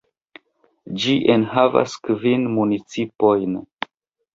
Ĝi enhavas kvin municipojn.